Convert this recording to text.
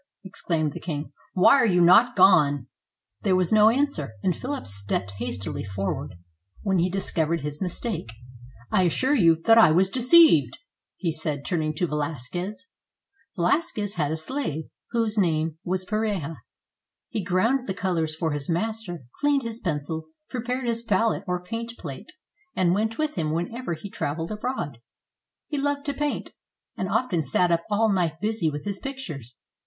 exclaimed the king. " Why are you not gone? " There was no answer; and Philip stepped hastily for ward, when he discovered his mistake. "I assure you that I was deceived," he said, turning to Velasquez. Velasquez had a slave, whose name was Pareja. He ground the colors for his master, cleaned his pencils, pre pared his palette or paint plate, and went with him whenever he traveled abroad. He loved to paint, and often sat up all night busy with his pictures.